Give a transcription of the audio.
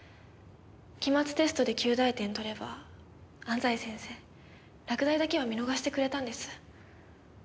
期末テストで及第点取れば安西先生落第だけは見逃してくれたんです。